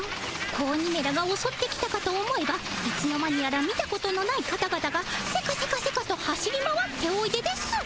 子鬼めらがおそってきたかと思えばいつの間にやら見たことのない方々がセカセカセカと走り回っておいでです。